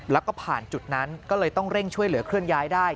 แล้วก็ผ่านจุดนั้นก็เลยต้องเร่งช่วยเหลือเคลื่อนย้ายได้